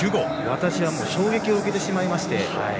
私はもう衝撃を受けてしまいまして。